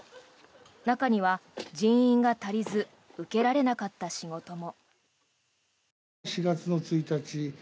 中には、人員が足りず受けられなかった仕事も。